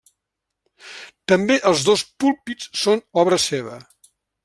També els dos púlpits són obra seva.